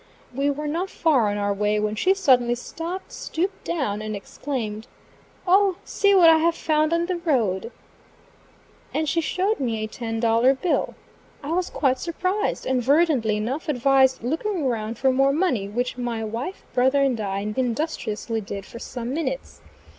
We were not far on our way when she suddenly stopped, stooped down, and exclaimed: "O! see what I have found in the road." And she showed me a ten dollar bill. I was quite surprised, and verdantly enough, advised looking around for more money, which my wife, brother and I industriously did for some minutes.